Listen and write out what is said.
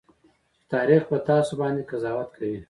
چې تاريخ به تاسو باندې قضاوت کوي.